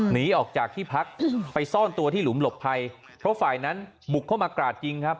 หนีออกจากที่พักไปซ่อนตัวที่หลุมหลบภัยเพราะฝ่ายนั้นบุกเข้ามากราดยิงครับ